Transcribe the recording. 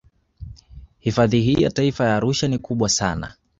Hifadhi hii ya Taifa ya Arusha ni kubwa sana